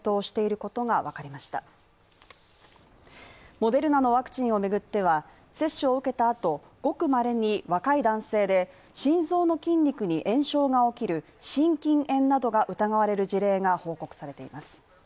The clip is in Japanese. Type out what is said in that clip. モデルナのワクチンを巡っては接種を受けた後、ごくまれに若い男性で深層の筋肉に炎症が起きる心筋炎などが疑われる事例が報告されています。